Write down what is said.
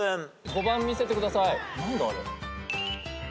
５番見せてください。